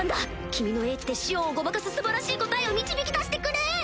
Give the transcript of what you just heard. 君の叡智でシオンをごまかす素晴らしい答えを導き出してくれ！